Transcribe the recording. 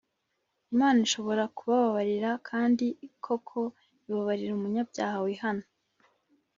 imana ishobora kubabarira kandi koko ibabarira umunyabyaha wihana;